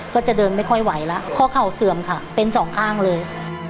ก็จะเดินไม่ค่อยไหวแล้วข้อเข่าเสื่อมค่ะเป็นสองข้างเลย